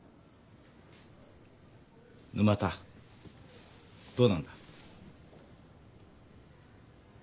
沼田どうなんだ？